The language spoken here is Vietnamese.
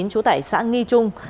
chú tải xã nghi trung